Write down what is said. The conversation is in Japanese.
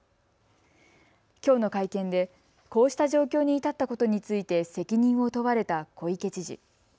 きょうの会見でこうした状況に至ったことについて責任を問われた小池知事。